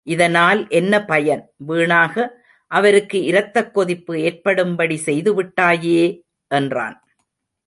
இதனால் என்ன பயன், வீணாக, அவருக்கு இரத்தக் கொதிப்பு ஏற்படும்படி செய்து விட்டாயே! என்றான்.